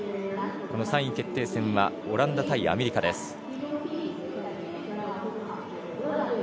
３位決定戦はオランダ対アメリカです。